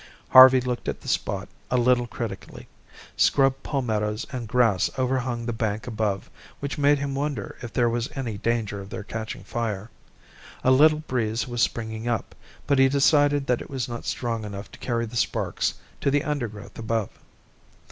Harvey looked at the spot a little critically. Scrub palmettoes and grass overhung the bank above, which made him wonder if there was any danger of their catching fire. A little breeze was springing up, but he decided that it was not strong enough to carry the sparks to the undergrowth above.